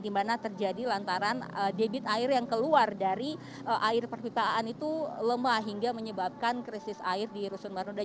di mana terjadi lantaran debit air yang keluar dari air perpitaan itu lemah hingga menyebabkan krisis air di rusun marunda